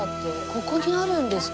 ここにあるんですか？